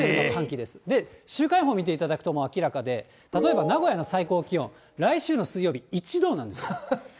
で、週間予報見ていただくと明らかで、例えば、名古屋の最高気温、来週の水曜日、１度なんです。